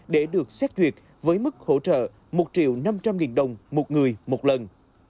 để được xét duyệt với mức hỗ trợ một triệu năm trăm linh nghìn đồng một người một lần